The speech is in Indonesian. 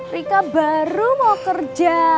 rika baru mau kerja